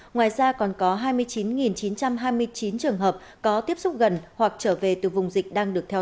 ngoài ra còn có hai mươi chín chín trăm hai mươi chín trường hợp có tiếp xúc gần hoặc trở về từ vùng dịch đang được theo dõi